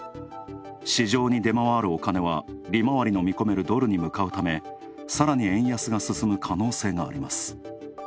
市場に出回るお金は、利回りの見込めるドルに向かうためさらに円安が進む可能性があります。